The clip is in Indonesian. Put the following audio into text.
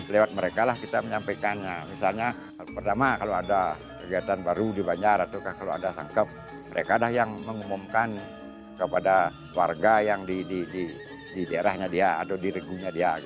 lewat mereka lah kita menyampaikannya misalnya pertama kalau ada kegiatan baru di banjar atau kalau ada sangkep mereka dah yang mengumumkan kepada warga yang di daerahnya dia atau di regunya dia